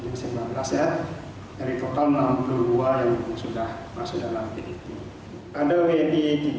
ini masih kembang dari total enam puluh dua yang sudah masuk dalam kondisi ini